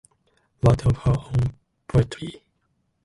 What of her own poetry?